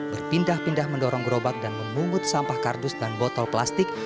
berpindah pindah mendorong gerobak dan memungut sampah kardus dan botol plastik